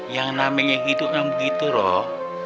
yang namanya hidup yang begitu rod